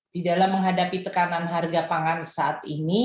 di dalam menghadapi tekanan harga pangan saat ini